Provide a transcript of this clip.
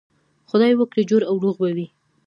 خدای وکړي جوړ او روغ به وئ.